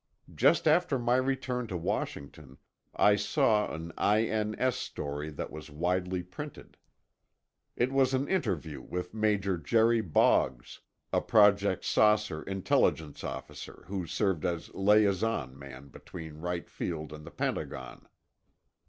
Just after my return to Washington, I saw an I.N.S. story that was widely printed. It was an interview with Major Jerry Boggs, a Project "Saucer" Intelligence officer who served as liaison man between Wright Field and the Pentagon.